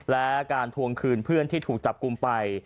และการทวงคืนเพื่อนที่ถูกจับกลุ่มไป